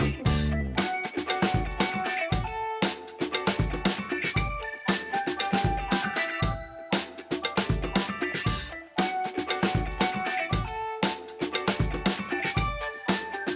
เอาละครับโทรศัพท์ครับ